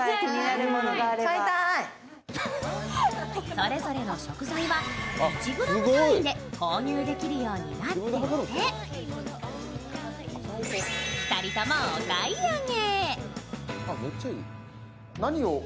それぞれの食材は１ｇ単位で購入できるようになっていて、２人ともお買い上げ。